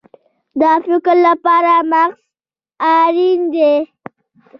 د فکر لپاره مغز اړین دی